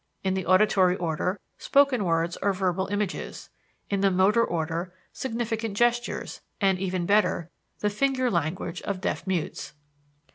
in the auditory order, spoken words or verbal images; in the motor order, significant gestures, and even better, the finger language of deaf mutes.